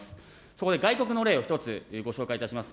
そこで外国の例を１つ、ご紹介いたします。